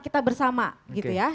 kita bersama gitu ya